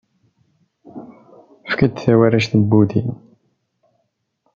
Efk-d tawarect n wudi.